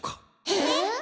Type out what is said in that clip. えっ？